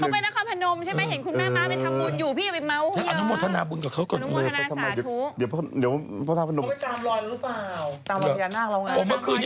เห็นคุณแม่ม้ามันทำบุตรอยู่พี่ก็ไปเม้าะไปเยอะ